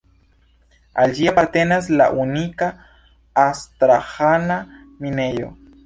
Al ĝi apartenas la unika Astraĥana minejo.